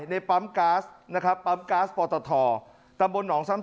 ในปั๊มก๊าซนะครับปั๊มก๊าซปอตทตำบลหนองซ้ำ